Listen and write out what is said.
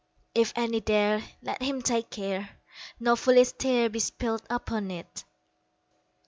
If any dare, Let him take care No foolish tear be spilled upon it!